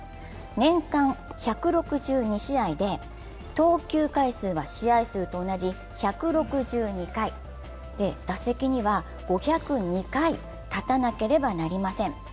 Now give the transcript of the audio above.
年間１６２試合で、投球回数は試合数と同じ１６２回、打席には５０２回立たなければなりません。